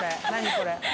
これ。